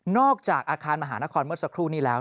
จากอาคารมหานครเมื่อสักครู่นี้แล้ว